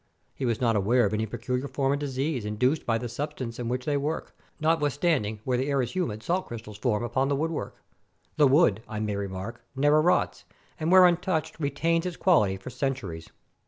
He was not aware of any peculiar form of disease induced by the substance in which they work, notwithstanding where the air is humid salt crys stals form upon the woodwork. The wood, I may here remark, never rots, and where untouched, retains its quality for centuries.